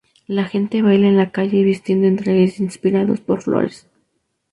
La gente baila en la calle vistiendo en trajes inspirados por flores.